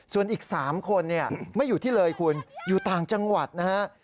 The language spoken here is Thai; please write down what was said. ส่วนอีก๓คนไม่อยู่ที่เลยคุณอยู่ต่างจังหวัดนะฮะ